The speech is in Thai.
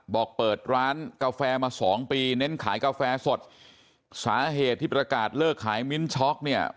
บอกเปิดร้านกาแฟมาสองปีเน้นขายกาแฟสดสาเหตุที่ประกาศเลิกขายมิ้นช็อกเนี่ย